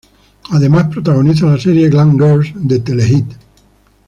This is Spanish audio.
Además protagoniza la serie "Glam Girls" de Telehit.